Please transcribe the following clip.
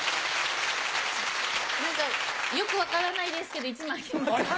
何かよく分からないですけど１枚あげます。